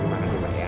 terima kasih pak ya